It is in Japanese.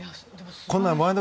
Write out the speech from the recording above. こんなの「ワイド！